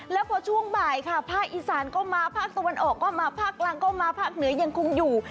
แล้วพอช่วงบ่ายค่ะภาคอีสานก็มาภาคตะวันออกก็มาภาคกลางก็มาภาคเหนือยังคงอยู่